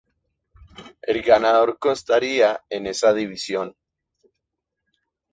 El ganador constaría en esa división.